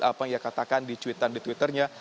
apa yang ia katakan di cuitan di twitternya